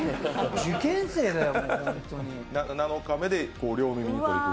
受験生だよ、もう。